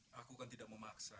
hai aku kan tidak memaksa